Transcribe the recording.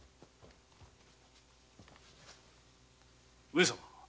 上様。